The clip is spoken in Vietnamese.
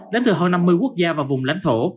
đến từ hơn năm mươi quốc gia và vùng lãnh thổ